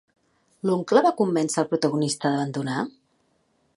L'oncle va convèncer al protagonista d'abandonar?